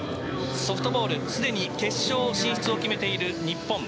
ソフトボールすでに決勝進出を決めている日本。